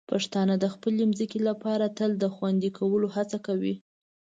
پښتانه د خپلې ځمکې لپاره تل د خوندي کولو هڅه کوي.